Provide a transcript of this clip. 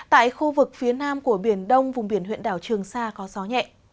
tại khu vực phía nam của biển đông vùng biển huyện đảo trường sa có gió nhẹ